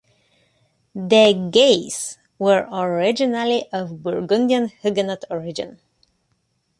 The Gays were originally of Burgundian Huguenot origin.